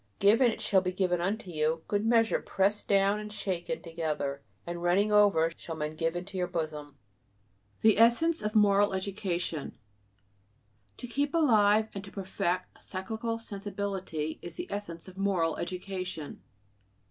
"Give and it shall be given unto you: good measure, pressed down and shaken together, and running over shall men give into your bosom." =The essence of moral education=. To keep alive and to perfect psychical sensibility is the essence of moral education.